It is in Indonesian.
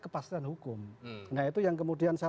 kepastian hukum nah itu yang kemudian saya